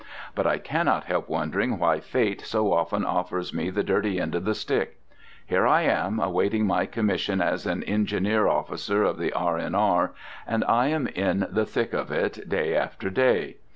But I cannot help wondering why Fate so often offers me the dirty end of the stick. Here I am, awaiting my commission as an engineer officer of the R.N.R., and I am in the thick of it day after day.